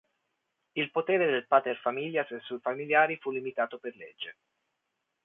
Il potere del "pater familias" sui familiari fu limitato per legge.